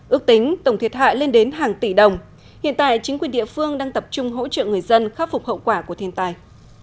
ước tính tổng thiệt hại lên đến hàng tỷ đồng hiện tại chính quyền địa phương đang tập trung hỗ trợ người dân khắc phục hậu quả của thiên tài